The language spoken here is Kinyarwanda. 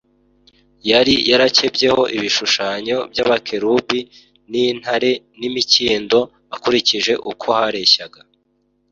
yari yarakebyeho ibishushanyo by’abakerubi n’intare n’imikindo akurikije uko hareshyaga